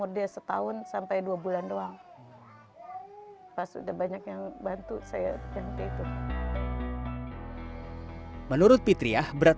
dia setahun sampai dua bulan doang pas udah banyak yang bantu saya seperti itu menurut fitriah berat